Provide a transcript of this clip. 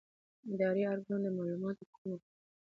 اداري ارګان د معلوماتو ورکولو مکلف دی.